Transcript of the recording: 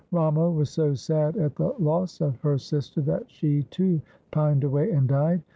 Ramo was so sad at the loss of her sister, that she too pined away and died.